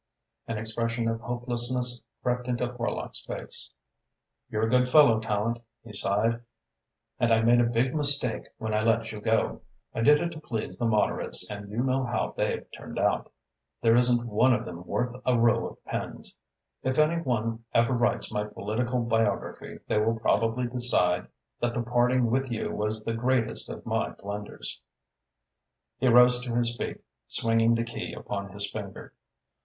An expression of hopelessness crept into Horlock's face. "You're a good fellow, Tallente," he sighed, "and I made a big mistake when I let you go. I did it to please the moderates and you know how they've turned out. There isn't one of them worth a row of pins. If any one ever writes my political biography, they will probably decide that the parting with you was the greatest of my blunders." He rose to his feet, swinging the key upon his finger.